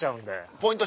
ポイント